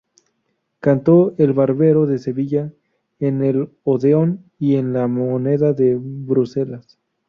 Cantó "El barbero de Sevilla" en el Odeón y en la Moneda de Bruselas.